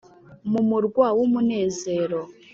mu murwa w’umunezero.